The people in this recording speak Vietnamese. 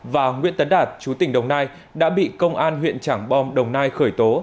và nguyễn tấn đạt chú tỉnh đồng nai đã bị công an huyện trảng bom đồng nai khởi tố